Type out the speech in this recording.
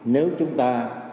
nếu chúng ta